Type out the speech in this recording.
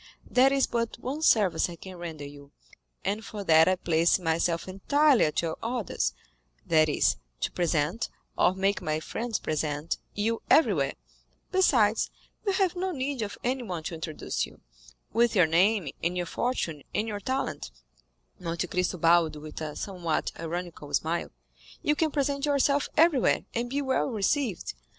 There is but one service I can render you, and for that I place myself entirely at your orders, that is, to present, or make my friends present, you everywhere; besides, you have no need of anyone to introduce you—with your name, and your fortune, and your talent" (Monte Cristo bowed with a somewhat ironical smile) "you can present yourself everywhere, and be well received.